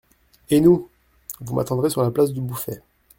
Et nous ? Vous m'attendrez sur la place du Bouffay.